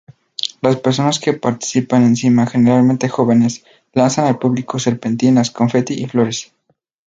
Las personas que participan encima, generalmente jóvenes, lanzan al público serpentinas, confeti y flores.